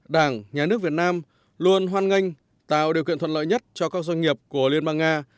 đảng nhà nước việt nam luôn hoan nghênh tạo điều kiện thuận lợi nhất cho các doanh nghiệp của liên bang nga